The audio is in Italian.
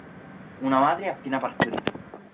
Una madre ha appena partorito.